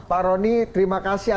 pak roni terima kasih atas saranmu